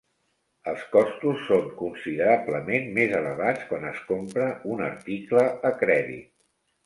Els costos són considerablement més elevats quan es compra un article a crèdit.